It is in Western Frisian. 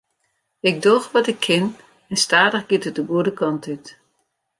Ik doch wat ik kin en stadich giet it de goede kant út.